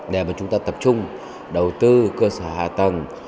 để mà chúng ta tập trung đầu tư cơ sở hạ tầng